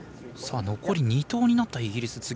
残り２投になったイギリス。